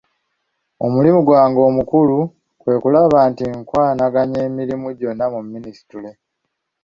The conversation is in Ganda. Omulimu gwange omukulu kwe kulaba nti nkwanaganya emirimu gyonna mu minisitule.